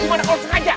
bukan engkau sengaja